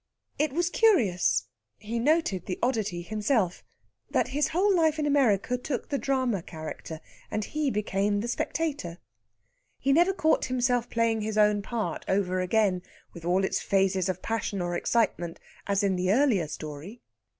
It was curious he noted the oddity himself that his whole life in America took the drama character, and he became the spectator. He never caught himself playing his own part over again, with all its phases of passion or excitement, as in the earlier story.